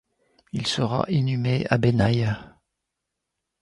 Il sera inhumé à Benayes.